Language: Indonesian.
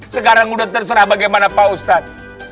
sekarang sudah terserah bagaimana pak ustadz